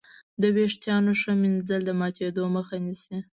د وېښتانو ښه ږمنځول د ماتېدو مخه نیسي.